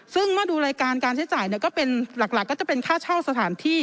ซึ่งเมื่อดูรายการการใช้จ่ายก็เป็นหลักก็จะเป็นค่าเช่าสถานที่